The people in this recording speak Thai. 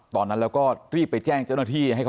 ตอนนั้นเราก็รีบไปแจ้งเจ้าหน้าที่